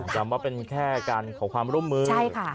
ย้ำว่าเป็นแค่การขอความร่วมมือ